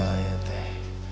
wah ya teh